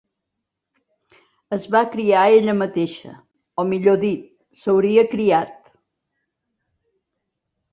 Es va criar ella mateixa, o millor dit, s'hauria criat.